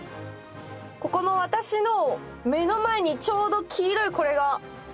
ここの私の目の前にちょうど黄色いこれが。